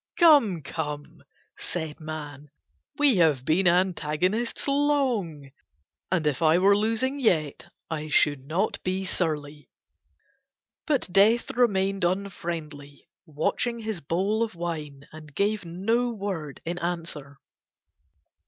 "Come, come," said Man, "we have been antagonists long, and if I were losing yet I should not be surly." But Death remained unfriendly watching his bowl of wine and gave no word in answer.